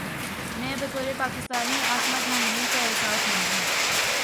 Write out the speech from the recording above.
میں بطور پاکستانی عاصمہ جہانگیر کا احساس مند ہوں۔